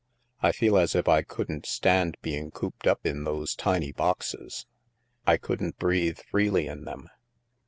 I feel as if I couldn't stand being cooped up in those tiny boxes. I couldn't breathe freely in them."